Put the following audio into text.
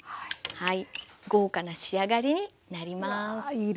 はい。